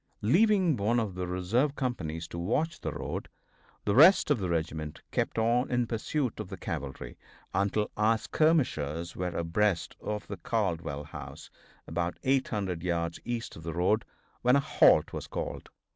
Leaving one of the reserve companies to watch the road, the rest of the regiment kept on in pursuit of the cavalry until our skirmishers were abreast of the Caldwell house, about 800 yards east of the road, when a halt was called.